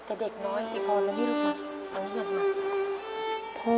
แต่เด็กน้อยสิครับ